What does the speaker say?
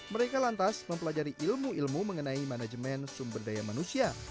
mereka lantas mempelajari ilmu ilmu mengenai manajemen sumber daya manusia